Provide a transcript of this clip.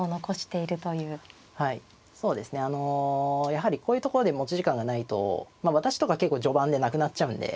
あのやはりこういうところで持ち時間がないとまあ私とかは結構序盤でなくなっちゃうんで。